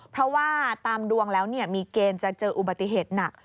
เพราะว่าตามดวงแล้วมีเกณฑ์จะเจออุบัติเหตุหนัก